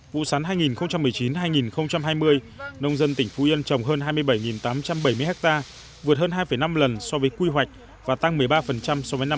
vụ sắn hai nghìn một mươi chín hai nghìn hai mươi nông dân tỉnh phú yên trồng hơn hai mươi bảy tám trăm bảy mươi ha vượt hơn hai năm lần so với quy hoạch và tăng một mươi ba so với năm hai nghìn một mươi